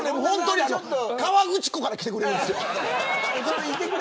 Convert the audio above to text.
河口湖から来てくれるんですよ